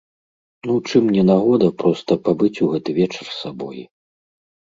Ну, чым не нагода проста пабыць у гэты вечар сабой?